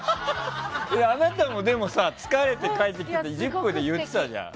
あなたもでも疲れて帰ってきた時の話「ＺＩＰ！」で言ってたじゃん。